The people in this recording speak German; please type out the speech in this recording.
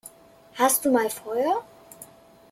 Hast du mal Feuer?